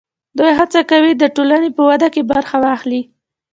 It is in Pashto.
دوی هڅه کوي د ټولنې په وده کې برخه واخلي.